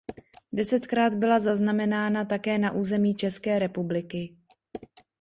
Desetkrát byla zaznamenána také na území České republiky.